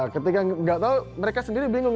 ketika nggak tahu mereka sendiri bingung